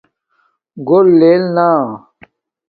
گھور لیل نا